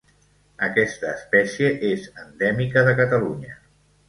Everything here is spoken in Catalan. Aquesta espècie és endèmica de Catalunya.